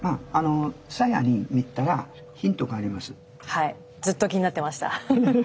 はいずっと気になってました。